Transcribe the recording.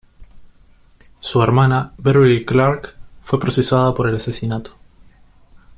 Su hermana, Beverly Clark, fue procesada por el asesinato.